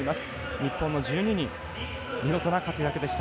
日本の１２人見事な活躍でした。